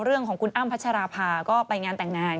เรื่องของคุณอ้ำพัชราภาก็ไปงานแต่งงาน